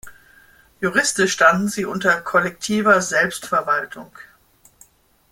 Juristisch standen sie unter kollektiver Selbstverwaltung.